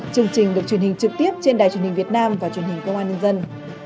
chương trình được truyền hình trực tiếp trên đài truyền hình việt nam và truyền hình công an nhân dân